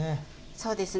そうですね